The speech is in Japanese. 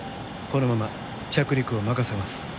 このまま着陸を任せます。